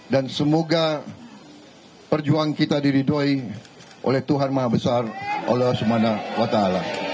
dan semoga perjuang kita diridui oleh tuhan maha besar allah subhanahu wa ta ala